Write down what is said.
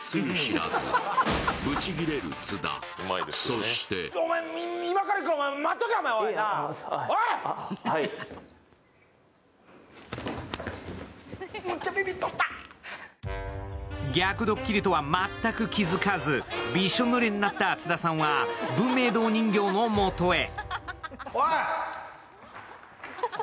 そして逆ドッキリとは全く気付かずびしょぬれになった津田さんは文明堂人形のもとへ。